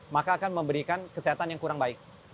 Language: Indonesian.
maka akan memberikan kesehatan yang kurang baik